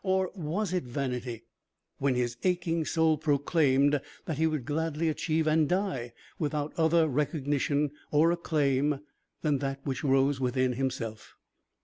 Or was it vanity when his aching soul proclaimed that he would gladly achieve and die without other recognition or acclaim than that which rose within himself?